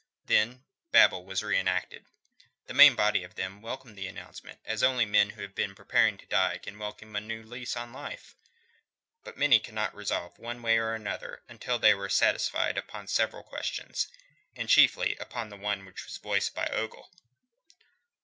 Then Babel was reenacted. The main body of them welcomed the announcement as only men who have been preparing to die can welcome a new lease of life. But many could not resolve one way or the other until they were satisfied upon several questions, and chiefly upon one which was voiced by Ogle.